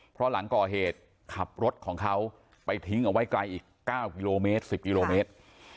เพราะหลังก่อเหตุขับรถของเขาไปทิ้งเอาไว้ไกลอีก๙กิโลเมตร๑๐กิโลเมตร